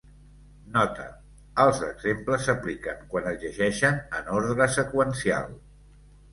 Nota: Els exemples s'apliquen quan es llegeixen en ordre seqüencial.